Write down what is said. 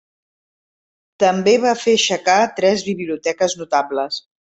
També va fer aixecar tres biblioteques notables.